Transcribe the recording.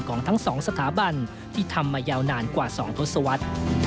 ของทั้งสองสถาบันที่ทำมายาวนานกว่า๒ทศวรรษ